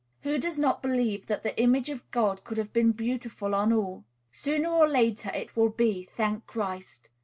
Who does not believe that the image of God could have been beautiful on all? Sooner or later it will be, thank Christ!